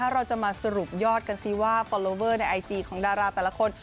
เราจะมาสรุปยอดกันสิว่าในไอจีของดาราแต่ละคน